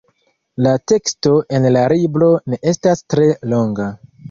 La teksto en la libro ne estas tre longa.